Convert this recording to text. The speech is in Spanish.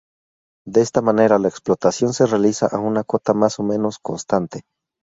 De esta manera la explotación se realiza a una cota más o menos constante.